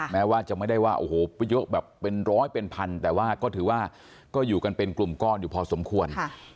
แม้ว่าจะไม่ได้ว่าโอ้โหเยอะแบบเป็นร้อยเป็นพันแต่ว่าก็ถือว่าก็อยู่กันเป็นกลุ่มก้อนอยู่พอสมควร